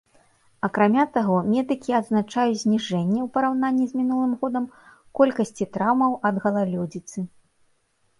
Акрамя таго, медыкі адзначаюць зніжэнне, у параўнанні з мінулым годам, колькасці траўмаў ад галалёдзіцы.